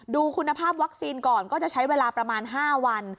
ดูคุณภาพวัคซีนก่อนก็จะใช้เวลาประมาณ๕วัน